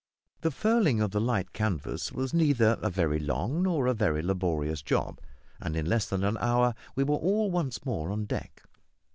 The furling of the light canvas was neither a very long nor a very laborious job, and in less than an hour we were all once more on deck.